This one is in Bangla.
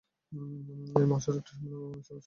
এই মহাসড়কটি সম্পূর্ণ ভাবে বাংলাদেশে অবস্থিত।